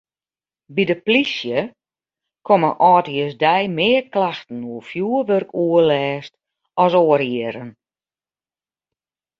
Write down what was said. By de polysje komme âldjiersdei mear klachten oer fjoerwurkoerlêst as oare jierren.